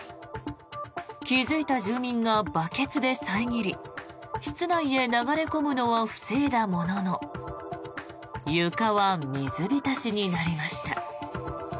気付いた住民がバケツで遮り室内へ流れ込むのは防いだものの床は水浸しになりました。